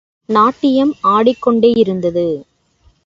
நாட்டியம் ஆடிக்கொண்டே யிருந்தது.